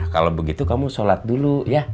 kalau begitu kamu sholat dulu ya